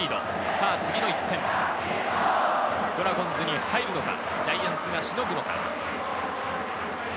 さぁ、次の１点、ドラゴンズに入るのか、ジャイアンツがしのぐのか。